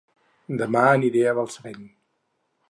Dema aniré a Balsareny